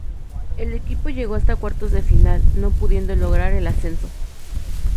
El equipo llegó hasta cuartos de final, no pudiendo lograr el ascenso.